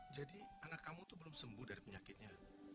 jadi anak kamu tuh belum sembuh dari penyakitnya